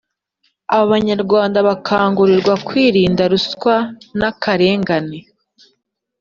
abanyarwanda bakangurirwa kwirinda ruswa n’akarengane.